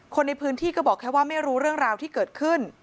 คนในพื้นที่ก็บอกแค่ว่าไม่รู้เรื่องราวที่เกิดขึ้น